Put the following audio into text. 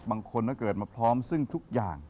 บางคนก็เกิดมาพร้อมซึ่งทุกอย่าง